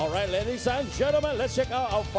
ของคู่ต่างก็เลยไปนี้ครับ